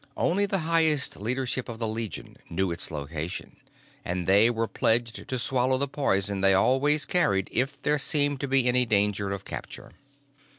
Only the highest leadership of the Legion knew its location, and they were pledged to swallow the poison they always carried if there seemed to be any danger of capture.